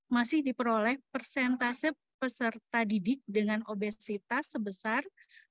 masih diperoleh persentase peserta didik dengan obesitas sebesar sembilan puluh empat